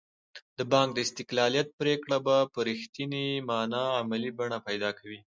د بانک د استقلالیت پرېکړه به په رښتینې معنا عملي بڼه پیدا کوي.